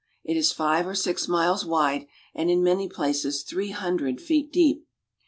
It is five or six miles wide, and in many places three hun dred feet deep.